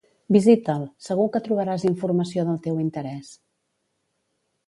Visita'l, segur que trobaràs informació del teu interès.